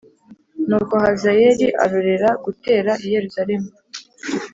Nuko Hazayeli arorera gutera i Yerusalemu